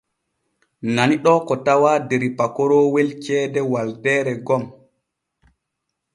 Nani ɗoo ko tawaa der pakoroowel ceede Waldeeree gom.